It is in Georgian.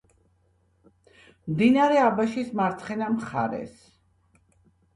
მდინარე აბაშის მარცხენა მხარეს.